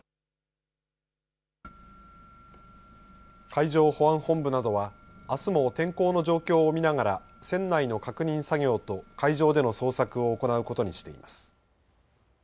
海上保安本部などはあすも天候の状況を見ながら船内の確認作業と海上での捜索を行うことにしています。